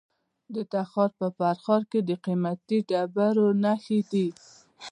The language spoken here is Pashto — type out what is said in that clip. د تخار په فرخار کې د قیمتي ډبرو نښې دي.